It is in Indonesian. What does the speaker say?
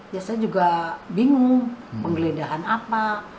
ya saya juga bingung penggeledahan apa